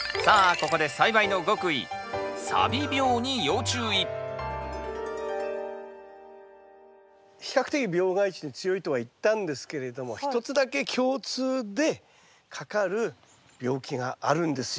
ここで比較的病害虫に強いとは言ったんですけれども一つだけ共通でかかる病気があるんですよ。